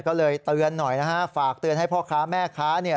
ก็เลยเตือนหน่อยนะฮะฝากเตือนให้พ่อค้าแม่ค้าเนี่ย